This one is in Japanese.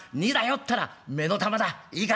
ったら目の玉だいいか？